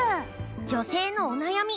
女性のお悩み